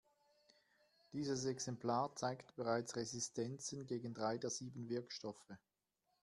Dieses Exemplar zeigt bereits Resistenzen gegen drei der sieben Wirkstoffe.